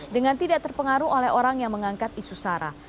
dengan tidak terpengaruh oleh orang yang mengangkat isu sara